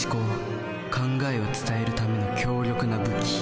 考えを伝えるための強力な武器。